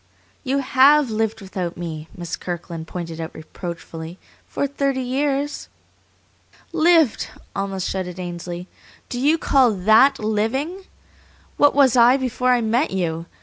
"You HAVE lived without me," Miss Kirkland pointed out reproachfully, "for thirty years." "Lived!" almost shouted Ainsley. "Do you call THAT living? What was I before I met you?